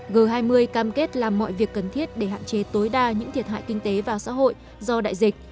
g hai mươi cam kết làm mọi việc cần thiết để hạn chế tối đa những thiệt hại kinh tế và xã hội do đại dịch